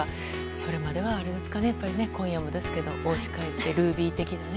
それまではやっぱり今夜もですけどおうちに帰ってルービー的なね。